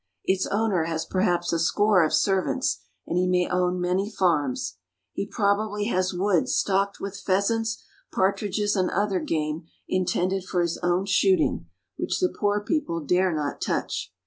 Its owner has perhaps a score of servants, and he may own many farms. He probably has woods stocked with pheasants, partridges, and other game in tended for his own shooting, which the poor people dare not touch.